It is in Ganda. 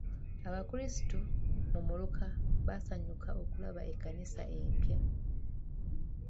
Abakrisitu mu muluka baasanyuka okulaba ekkanisa empya.